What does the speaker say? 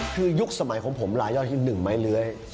คือยุคสมัยของผมลายย่อยคือ๑ไม้เลื้อย